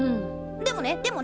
でもねでもね